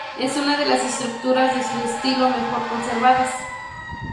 Es una de las estructuras de su estilo mejor conservadas.